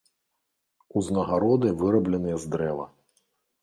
Узнагароды вырабленыя з дрэва.